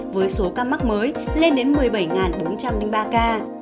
với số ca mắc mới lên đến một mươi bảy bốn trăm linh ba ca